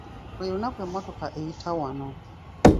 Buli lunaku emmotoka eyita wano.